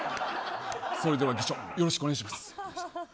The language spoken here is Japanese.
それでは議長よろしくお願いします。